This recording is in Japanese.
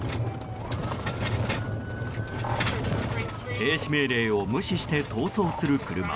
停止命令を無視して逃走する車。